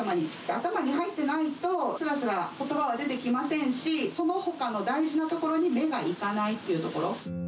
頭に入ってないと、すらすらことばは出てきませんし、そのほかの大事なところに目が行かないっていうところ。